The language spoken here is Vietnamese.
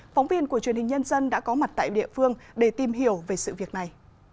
phóng viên của truyền hình nhân dân đã có mặt tại địa phương để tìm hiểu về sự việc này